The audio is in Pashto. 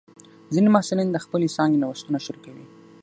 ځینې محصلین د خپلې څانګې نوښتونه شریکوي.